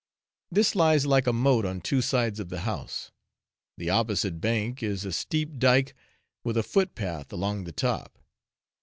This lies like a moat on two sides of the house. The opposite bank is a steep dyke, with a footpath along the top.